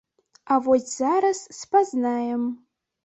А вось зараз спазнаем.